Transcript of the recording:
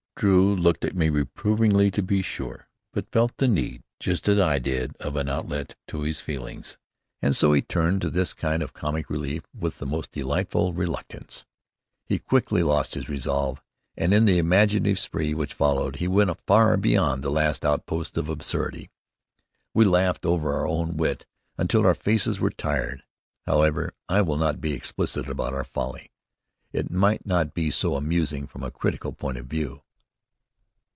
Drew looked at me reprovingly, to be sure, but he felt the need, just as I did, of an outlet to his feelings, and so he turned to this kind of comic relief with the most delightful reluctance. He quickly lost his reserve, and in the imaginative spree which followed we went far beyond the last outposts of absurdity. We laughed over our own wit until our faces were tired. However, I will not be explicit about our folly. It might not be so amusing from a critical point of view.